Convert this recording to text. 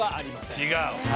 違う。